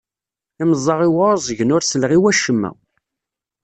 Imeẓẓaɣ-iw ɛuẓgen ur selleɣ i wacemma.